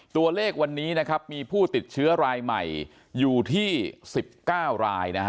ตัวเลขวันนี้มีผู้ติดเชื้อรายใหม่อยู่ที่๑๙ราย